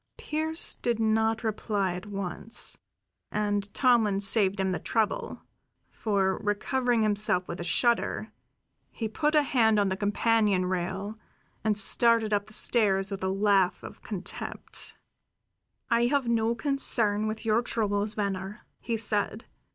Pearse did not reply at once, and Tomlin saved him the trouble; for, recovering himself with a shudder, he put a hand on the companion rail and started up the stairs with a laugh of contempt. "I have no concern with your troubles, Venner," he said.